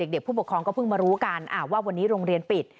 ผู้ปกครองก็เพิ่งมารู้กันว่าวันนี้โรงเรียนปิด